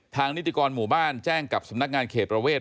นิติกรหมู่บ้านแจ้งกับสำนักงานเขตประเวท